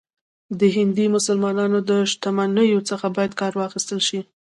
د هندي مسلمانانو له شتمنیو څخه باید کار واخیستل شي.